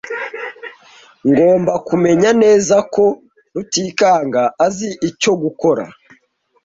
Ngomba kumenya neza ko Rutikanga azi icyo gukora.